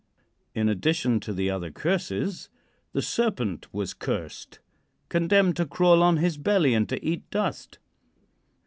In addition to the other curses the Serpent was cursed condemned to crawl on his belly and to eat dust.